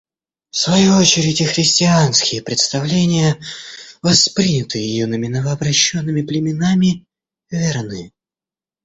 В свою очередь и христианские представления, воспринятые юными новообращенными племенами, верны.